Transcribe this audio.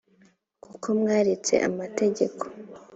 kuko mwaretse amategeko